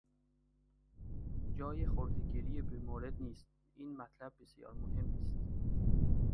جای خردهگیری بیمورد نیست; این مطلب بسیار مهمی است.